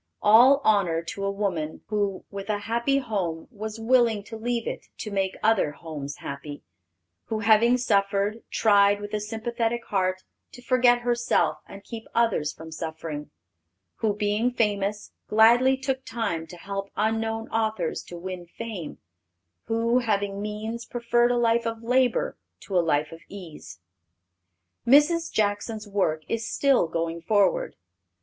All honor to a woman who, with a happy home, was willing to leave it to make other homes happy; who, having suffered, tried with a sympathetic heart to forget herself and keep others from suffering; who, being famous, gladly took time to help unknown authors to win fame; who, having means, preferred a life of labor to a life of ease. Mrs. Jackson's work is still going forward.